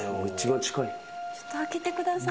ちょっと開けてください。